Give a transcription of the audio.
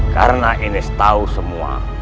karena ines tahu semua